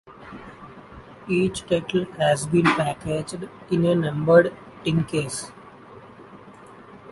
Each title has been packaged in a numbered tin case.